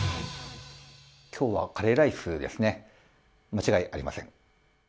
きょうはカレーライスですね、間違いありません。